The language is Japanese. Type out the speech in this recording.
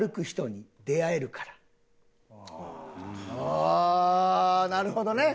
ああなるほどね。